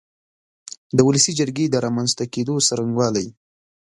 د ولسي جرګې د رامنځ ته کېدو څرنګوالی